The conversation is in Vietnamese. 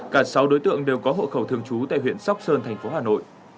cả sáu đối tượng đều có hộ khẩu thường trú tại huyện sóc sơn thành phố hà nội